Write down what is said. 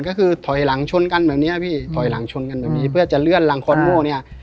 ก็คือถอยหลังชนกันแบบเนี้ยพี่ถอยหลังชนกันแบบนี้เพื่อจะเลื่อนหลังคอนโม่เนี่ย